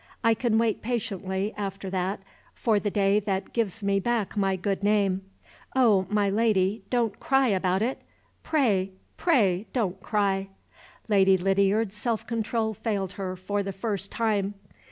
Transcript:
I can wait patiently, after that, for the day that gives me back my good name. Oh, my Lady, don't cry about it! Pray, pray don't cry!" Lady Lydiard's self control failed her for the first time.